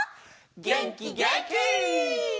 げんきげんき！